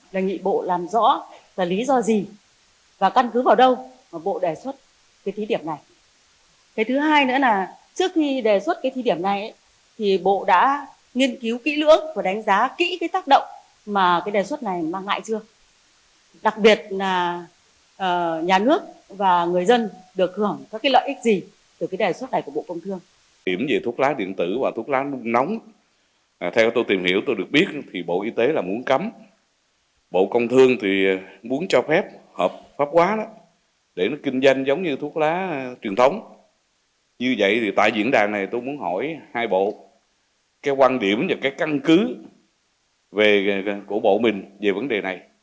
theo một số đại biểu bộ công thương cần làm rõ đề xuất thí điểm chính sách quản lý với thuốc lá điện tử và thuốc lá làm nóng bởi đây là vấn đề gây nguy hại cho sức khỏe cộng đồng đặc biệt là giới trẻ